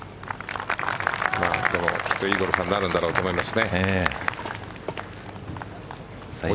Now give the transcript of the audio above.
きっと、いいゴルファーになるんだろうと思います。